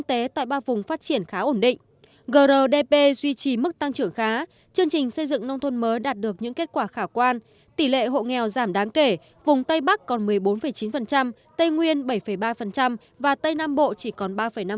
tỷ lệ hộ nghèo giảm đáng kể vùng tây bắc còn một mươi bốn chín tây nguyên bảy ba và tây nam bộ chỉ còn ba năm